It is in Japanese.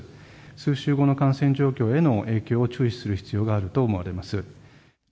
数週後の感染状況への影響を注視する必要があると思われます。